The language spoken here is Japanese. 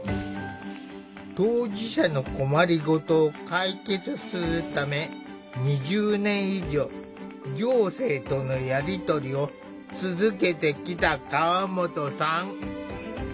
当事者の困り事を解決するため２０年以上行政とのやり取りを続けてきた河本さん。